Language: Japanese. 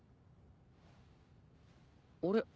あれ？